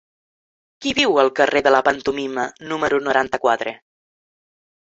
Qui viu al carrer de la Pantomima número noranta-quatre?